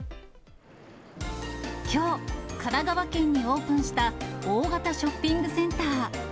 きょう、神奈川県にオープンした大型ショッピングセンター。